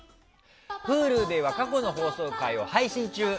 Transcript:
Ｈｕｌｕでは過去の放送回を配信中。